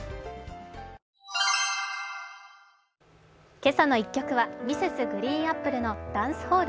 「けさの１曲」はＭｒｓ．ＧＲＥＥＮＡＰＰＬＥの「ダンスホール」。